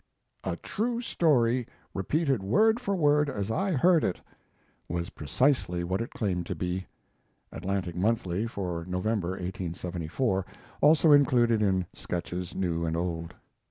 "A True Story, Repeated Word for Word as I Heard It" was precisely what it claimed to be. [Atlantic Monthly for November, 1874; also included in Sketches New and Old.